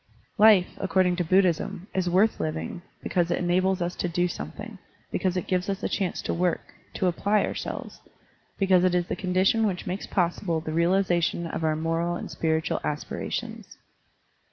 Life, according to Buddhism, is worth living, because it enables us to do something, because it gives us a chance to work, to apply ourselves, because it is the condition which makes possible the realization of our moral and spiritual aspira tions.